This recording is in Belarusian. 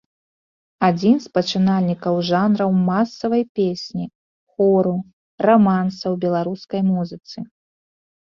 Адзін з пачынальнікаў жанраў масавай песні, хору, раманса ў беларускай музыцы.